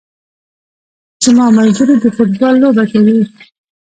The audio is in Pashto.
زما ملګري د فوټبال لوبه کوي